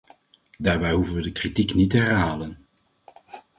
Daarbij hoeven wij de kritiek niet te herhalen.